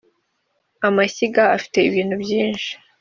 amashyiga afite ibintu byinshi.